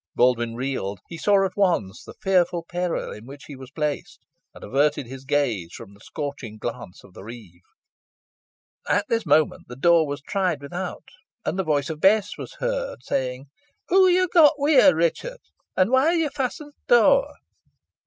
Baldwyn reeled. He saw at once the fearful peril in which he was placed, and averted his gaze from the scorching glance of the reeve. At this moment the door was tried without, and the voice of Bess was heard, saying, "Who ha' yo got wi' yo, Ruchot; and whoy ha' yo fastened t' door?"